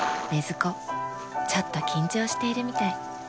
ちょっと緊張しているみたい。